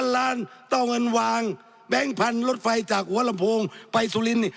ล้านต้องเอาเงินวางแบงค์พันธุ์รถไฟจากหัวลำโพงไปสุรินนี่